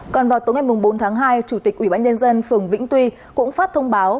còn vào tối ngày bốn tháng hai chủ tịch ủy ban nhân dân phường vĩnh tuy cũng phát thông báo